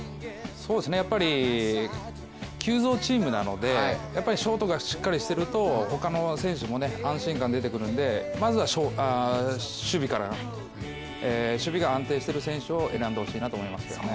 やっぱり急造チームなのでショートがしっかりしていると、ほかの選手も安心感出てくるんで、まずは守備が安定している選手を選んで欲しいと思います。